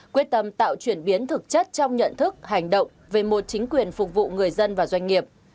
quyết tâm tạo chuyển biến thực chất trong nhận thức hành động về một chính quyền phục vụ người dân và doanh nghiệp